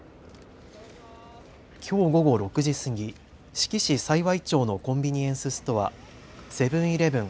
きょう午後６時過ぎ、志木市幸町のコンビニエンスストア、セブン‐イレブン